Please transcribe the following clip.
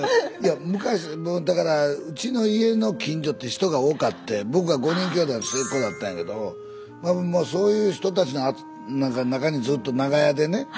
いや昔もうだからうちの家の近所って人が多かって僕は５人きょうだいの末っ子だったんやけどもうそういう人たちの中にずっと長屋でね。